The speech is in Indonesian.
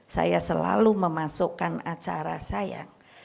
saya selalu memasukkan acara saya